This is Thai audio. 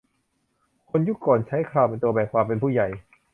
คนยุคก่อนใช้เคราเป็นตัวแบ่งความเป็นผู้ใหญ่